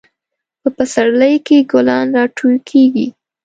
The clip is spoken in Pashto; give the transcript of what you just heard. په پسرلی کې ګلان راټوکیږي.